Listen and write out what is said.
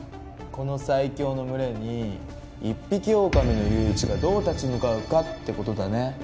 この最強の群れに一匹狼の友一がどう立ち向かうかって事だね。